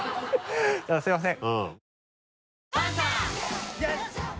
すみません！